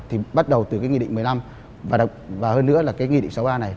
thì bắt đầu từ cái nghị định một mươi năm và hơn nữa là cái nghị định sáu mươi ba này